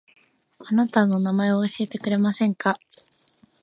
あなたの名前を教えてくれませんか